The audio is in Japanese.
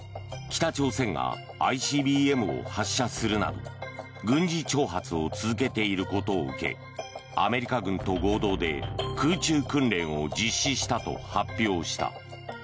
北朝鮮がＩＣＢＭを発射するなど軍事挑発を続けていることを受けアメリカ軍と合同で空中訓練を実施したと発表した。